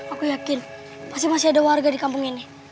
aku yakin masih masih ada warga di kampung ini